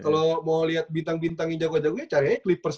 kalau mau lihat bintang bintang yang jago jagonya caranya clippers